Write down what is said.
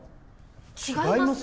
違います